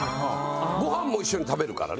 ご飯も一緒に食べるからね。